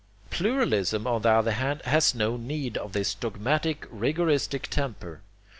Pluralism on the other hand has no need of this dogmatic rigoristic temper.